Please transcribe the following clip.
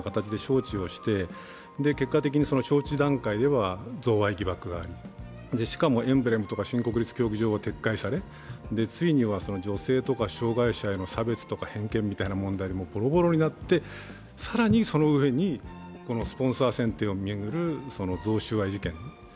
結果的に招致段階では贈賄疑惑があり、しかもエンブレムとか新国立競技場が撤回され、ついには女性とか障害者への差別とか偏見みたいな問題もボロボロになって更にその上に、スポンサー選定を巡る贈収賄事件。